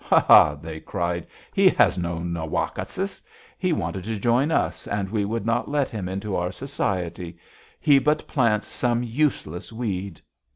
'Ha!' They cried. 'He has no na wak´ o sis! He wanted to join us and we would not let him into our society. He but plants some useless weed.'